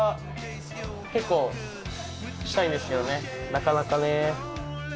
なかなかね。